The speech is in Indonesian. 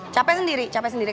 capek sendiri capek sendiri